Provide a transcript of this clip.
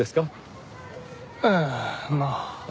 ええまあ。